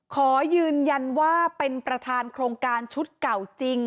ขอยืนยันว่าเป็นประธานโครงการชุดเก่าจริง